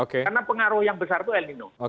karena pengaruh yang besar itu el mino